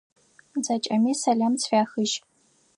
Зэкӏэми сэлам сфяхыжь!